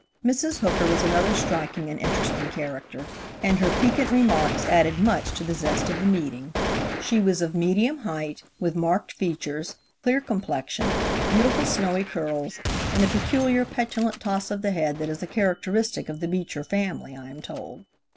Mrs. Hooker was another striking and interesting character, and her piquant remarks added much to the zest of the meeting. She was of medium height, with marked features, clear complexion, beautiful snowy curls and a peculiar, petulant toss of the head that is a characteristic of the Beecher family, I am told.